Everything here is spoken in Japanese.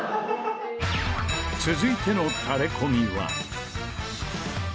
続いてのタレコミは。